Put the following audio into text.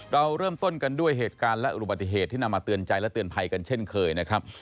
เราเริ่มต้นกันด้วยเหตุการณ์และอุบัติเหตุที่นำมาเตือนใจและเตือนภัยกันเช่นเคยนะครับ